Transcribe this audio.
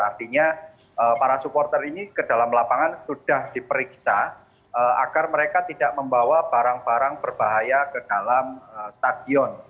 artinya para supporter ini ke dalam lapangan sudah diperiksa agar mereka tidak membawa barang barang berbahaya ke dalam stadion